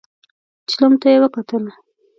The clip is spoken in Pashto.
چيلم ته يې وکتل.